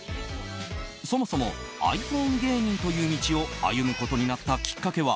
そもそもｉＰｈｏｎｅ芸人という道を歩むことになったきっかけは